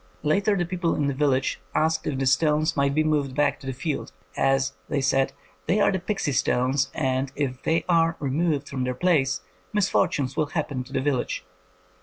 Later the people in the village asked if the stones might be moved back to the field, "as," they said, ''they are the pixie stones, and if they are removed from their place, misfortunes will happen to the village."